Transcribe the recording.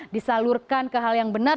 disalurkan ke hal yang benar